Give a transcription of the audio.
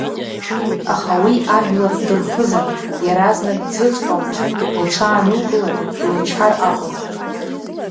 Аха уи ажәлар дырԥызан, иаразнак дзыҵҟьомызт, лҽаанылкылар, илычҳар акәын.